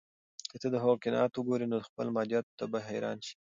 که ته د هغوی قناعت وګورې، نو خپلو مادیاتو ته به حیران شې.